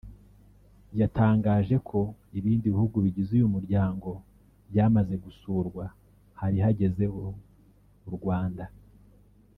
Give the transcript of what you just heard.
yatangaje ko ibindi bihugu bigize uyu muryango byamaze gusurwa hari hagezweho u Rwanda